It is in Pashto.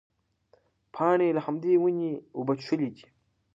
پاڼې له همدې ونې اوبه څښلې دي.